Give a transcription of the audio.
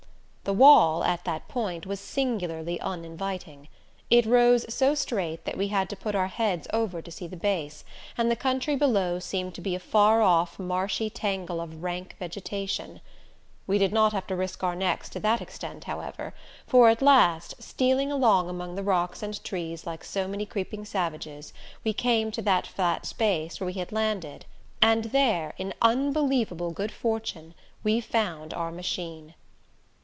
The wall at that point was singularly uninviting. It rose so straight that we had to put our heads over to see the base, and the country below seemed to be a far off marshy tangle of rank vegetation. We did not have to risk our necks to that extent, however, for at last, stealing along among the rocks and trees like so many creeping savages, we came to that flat space where we had landed; and there, in unbelievable good fortune, we found our machine.